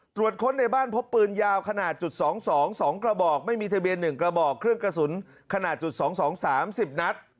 ตรวจค้นในบ้านพบปืนยาวขนาดจุด๒๒กระบอกไม่มีทะเบียน๑กระบอกเครื่องกระสุนขนาดจุด๒๒๓๐นัด